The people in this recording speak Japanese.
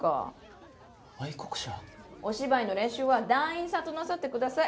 お芝居の練習は団員さんとなさって下さい。